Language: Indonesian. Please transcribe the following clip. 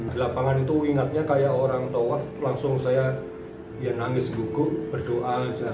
di lapangan itu ingatnya kayak orang tawaf langsung saya ya nangis gugup berdoa aja